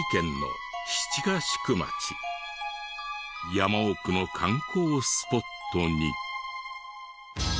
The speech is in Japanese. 山奥の観光スポットに。